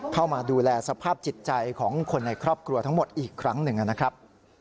เข้ามาดูแลสภาพจิตใจของคนในครอบครัวทั้งหมดอีกครั้งหนึ่งนะครับ